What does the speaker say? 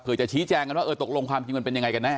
เพื่อจะชี้แจงกันว่าเออตกลงความจริงมันเป็นยังไงกันแน่